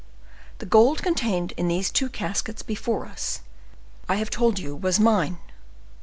The gold contained in these two casks before us, I have told you was mine.